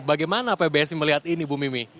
bagaimana pbsi melihat ini bu mimi